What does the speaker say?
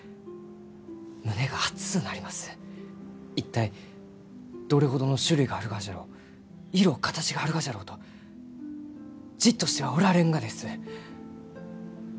一体どれほどの種類があるがじゃろう色形があるがじゃろうとじっとしてはおられんがです！